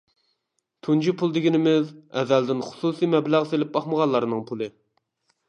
تۇنجى پۇل دېگىنىمىز، ئەزەلدىن خۇسۇسىي مەبلەغ سېلىپ باقمىغانلارنىڭ پۇلى.